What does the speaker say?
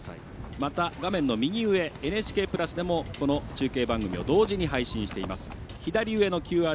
また画面の右上ＮＨＫプラスでもこの中継番組を同時に配信しています。